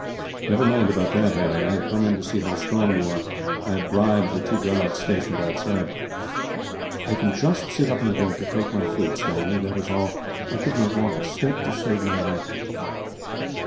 "Never mind about that, Harry. I have come in to see how strong you are. I have bribed the two guards stationed behind." "I can just sit up in bed to take my food, Stanley, that is all. I could not walk a step to save my life."